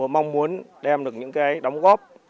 mong muốn đem được những cái đóng góp